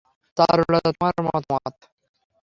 চারুলতা, তোমার মতামত?